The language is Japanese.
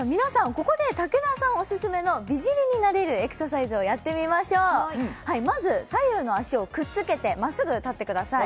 ここで竹田さんオススメの美尻になれるエクササイズをやってみましょうまず左右の脚をくっつけてまっすぐ立ってください